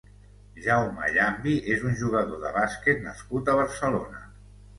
Jaume Llambi és un jugador de bàsquet nascut a Barcelona.